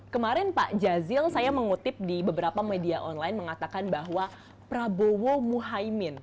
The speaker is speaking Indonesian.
kemarin pak jazil saya mengutip di beberapa media online mengatakan bahwa prabowo muhaymin